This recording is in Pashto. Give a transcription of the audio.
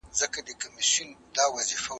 د اعراف دې جلوهلي ولس ته